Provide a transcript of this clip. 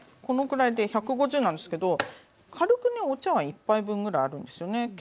このくらいで１５０なんですけど軽くねお茶わん１杯分ぐらいあるんですよね。